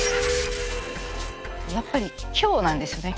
やっぱり今日なんですよね。